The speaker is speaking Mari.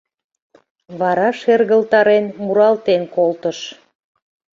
Вара шергылтарен муралтен колтыш: